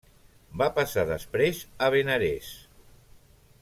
Va passar després a Benarés.